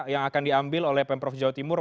yang akan diambil oleh pemprov jawa timur